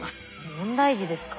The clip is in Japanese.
問題児ですか？